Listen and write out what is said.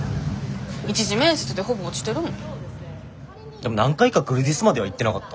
でも何回かグルディスまでは行ってなかった？